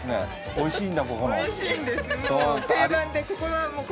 おいしいんだここの。